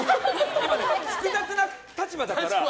今ね、複雑な立場だから。